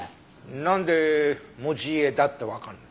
なんで持ち家だってわかるの？